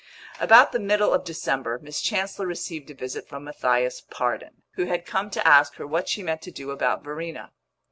About the middle of December Miss Chancellor received a visit from Matthias Pardon, who had come to ask her what she meant to do about Verena.